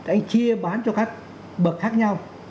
anh chia bán cho các bậc khác nhau